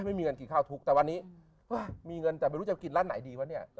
ไม่มีเงินกินข้าวทุกข์แต่วันนี้มีเงินแต่ไม่รู้จะกินร้านไหนดีวะเนี่ย